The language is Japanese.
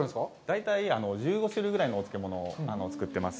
大体１５種類ぐらいのお漬物を作ってます。